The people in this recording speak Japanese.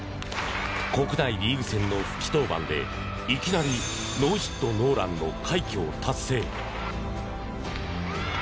国内リーグ戦の復帰登板でいきなりノーヒットノーランの快挙を達成。